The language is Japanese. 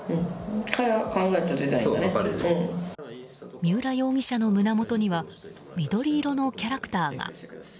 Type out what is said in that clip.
三浦容疑者の胸元には緑色のキャラクターが。